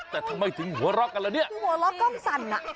แต่ทำไมถึงหัวลอกกันแหละเนี่ยหัวลอกก้มสั่นน่ะ